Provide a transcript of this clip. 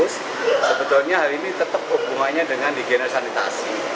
sebetulnya hari ini tetap hubungannya dengan higiene sanitasi